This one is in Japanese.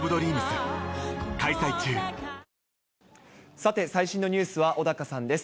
さて、最新のニュースは小高さんです。